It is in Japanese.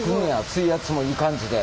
水圧もいい感じで。